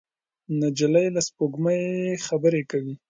نجلۍ له سپوږمۍ خبرې کوي.